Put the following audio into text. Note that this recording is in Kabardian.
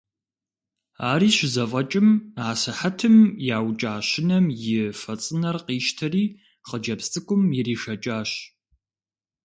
Ари щызэфӏэкӏым асыхьэтым яукӏа щынэм и фэ цӏынэр къищтэри хъыджэбз цӏыкӏум иришэкӏащ.